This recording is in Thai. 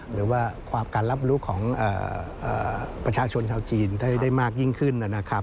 หรือว่าความการรับรู้ของประชาชนชาวจีนได้มากยิ่งขึ้น